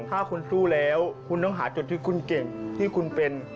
ถ้าคุณสู้แล้วคุณต้องหาจุดที่คุณเก่งที่คุณเป็น